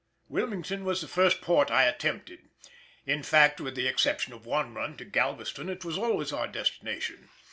Wilmington was the first port I attempted; in fact with the exception of one run to Galveston it was always our destination.